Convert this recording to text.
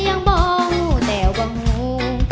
ยังบอกงูแต่ว่างู